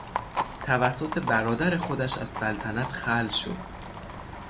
توسط برادر خودش از سلطنت خلع شد.